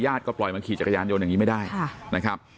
ปล่อยมาขี่จักรยานยนต์อย่างนี้ไม่ได้นะครับ